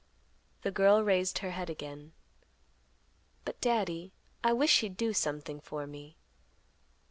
The girl raised her head again; "But, Daddy, I wish you'd do something for me.